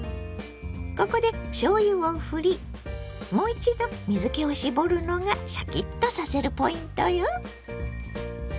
ここでしょうゆをふりもう一度水けを絞るのがシャキッとさせるポイントよ。